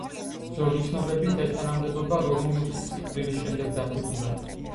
ზოგი ცნობებით ეს თანამდებობა რომულუსის სიკვდილის შემდეგ დაფუძნდა.